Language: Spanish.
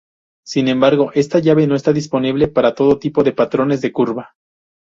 Sin embargo, esta llave no está disponible para todo tipo de patrones de curva.